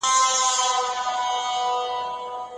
د ژوند حق یوه سپېڅلې ډالۍ ده.